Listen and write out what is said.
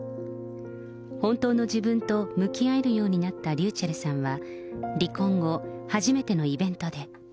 本当の自分と向き合えるようになったｒｙｕｃｈｅｌｌさんは、離婚後、初めてのイベントで。